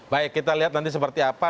baik kita lihat nanti seperti apa